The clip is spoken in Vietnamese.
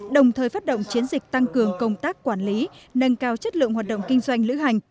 đồng thời phát động chiến dịch tăng cường công tác quản lý nâng cao chất lượng hoạt động kinh doanh lữ hành